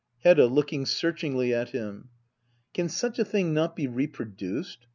Hedda. [Loo^tfig searchingly at Asm.] Can such a thing not be reproduced